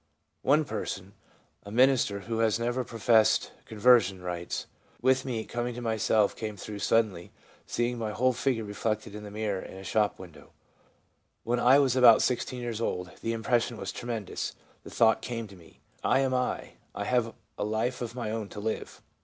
One person, a minister, who has never professed conversion, writes :' With me, coming to myself came through suddenly seeing my whole figure reflected in the mirror in a shop window, when I was about 16 years old. The impres sion was tremendous. The thought came to me, " I am I, I have a life of my own to live."